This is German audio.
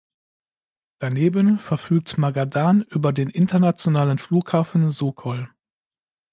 Daneben verfügt Magadan über den internationalen Flughafen Sokol.